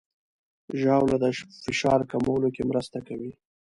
ژاوله د فشار کمولو کې مرسته کوي.